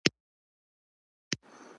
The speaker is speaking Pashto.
کارکوونکی د استراحت حق لري.